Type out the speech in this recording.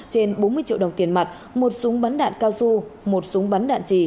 trên bốn mươi triệu đồng tiền mặt một súng bắn đạn cao su một súng bắn đạn trì